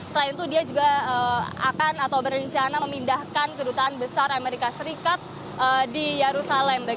selain itu dia juga akan atau berencana memindahkan kedutaan besar amerika serikat di yerusalem